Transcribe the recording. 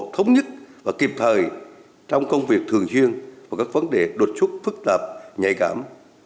thống nhất và kịp thời trong công việc thường xuyên và các vấn đề đột xuất phức tạp nhạy cảm